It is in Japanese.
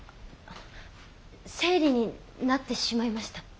生理になってしまいました。